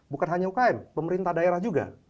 bukan hanya ukm pemerintah daerah juga